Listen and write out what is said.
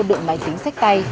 đựng máy tính sách tay